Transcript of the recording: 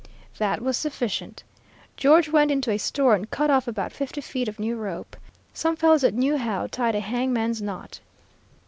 "That was sufficient. George went into a store and cut off about fifty feet of new rope. Some fellows that knew how tied a hangman's knot.